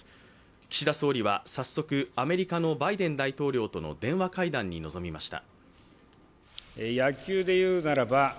岸田総理は早速、アメリカのバイデン大統領との電話会談に臨みました。